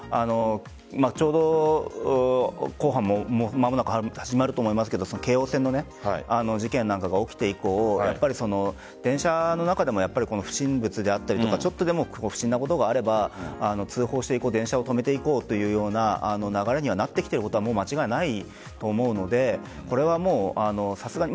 ちょうど公判も間もなく始まると思いますけど京王線の事件なんかが起きて以降電車の中でも不審物であったりとかちょっとでも不審なことがあれば通報して電車を止めていこうというような流れにはなってきていることは間違いないと思うのでこれはさすがに。